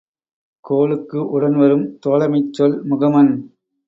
கோளுக்கு உடன் வரும் தோழமைச் சொல் முகமன்.